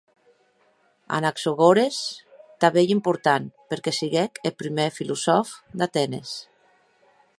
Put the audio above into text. Anaxagores tanben ei important perque siguec eth prumèr filosòf d'Atenes.